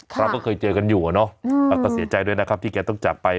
เราก็เคยเจอกันอยู่อะเนาะแล้วก็เสียใจด้วยนะครับที่แกต้องจากไป